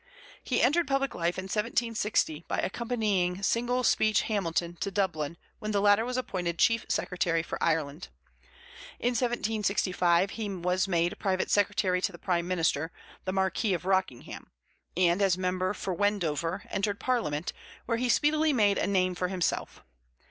He entered public life in 1760 by accompanying "Single Speech" Hamilton to Dublin when the latter was appointed Chief Secretary for Ireland. In 1765 he was made private secretary to the prime minister, the Marquis of Rockingham, and, as member for Wendover, entered parliament, where he speedily made a name for himself.